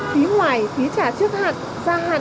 phí ngoài phí trả trước hạn